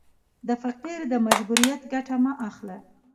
د فقیر د مجبوریت ګټه مه اخله.